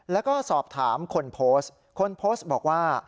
แล้วก็สอบถามคนโพสต์คนโพสต์บอกว่า